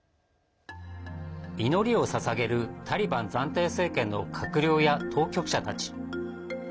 祈りをささげるタリバン暫定政権の閣僚や当局者たち。